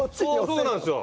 そうなんですよ。